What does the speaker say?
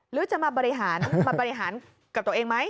หรือจะมาบริหารกับตัวเองไหม